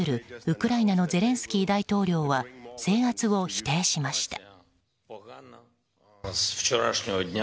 ウクライナのゼレンスキー大統領は制圧を否定しました。